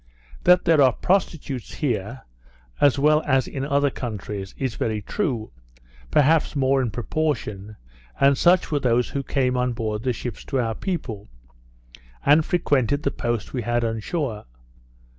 That there are prostitutes here, as well as in other countries, is very true, perhaps more in proportion, and such were those who came on board the ships to our people, and frequented the post we had on shore.